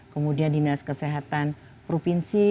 kemudian dinas kesehatan provinsi